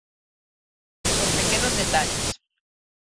Por pequenos detalles.